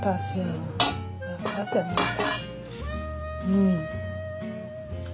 うん！